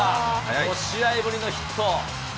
５試合ぶりのヒット。